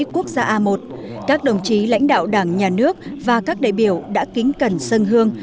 quốc gia a một các đồng chí lãnh đạo đảng nhà nước và các đại biểu đã kính cẩn sân hương